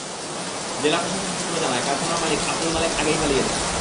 জেলা প্রশাসন সূত্র জানায়, কারখানার মালিক আবদুল মালেক আগেই পালিয়ে যান।